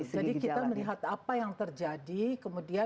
jadi kita melihat apa yang terjadi